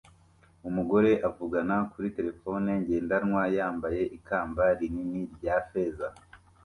Umugore avugana kuri terefone ngendanwa yambaye ikamba rinini rya feza